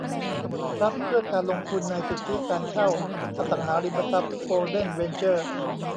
ทรัสต์เพื่อการลงทุนในสิทธิการเช่าอสังหาริมทรัพย์โกลเด้นเวนเจอร์